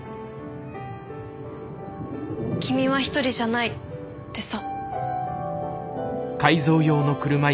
「君はひとりじゃない」ってさ。